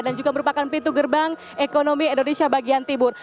dan juga merupakan pintu gerbang ekonomi indonesia bagian timur